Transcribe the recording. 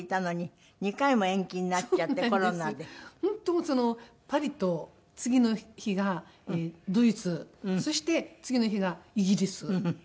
もうパリと次の日がドイツそして次の日がイギリスだったんです。